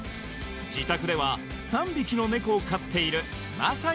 自宅では３匹のネコを飼っているまさに